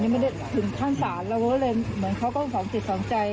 ไม่ได้ถึงขั้นศาลเราก็เลยเหมือนเขาก็สองจิตสองใจ